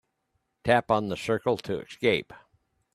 Tap on the circle to escape.